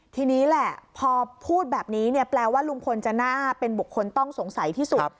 ทีนี้แหละพอพูดแบบนี้เนี่ยแปลว่าลุงพลจะน่าเป็นบุคคลต้องสงสัยที่สุด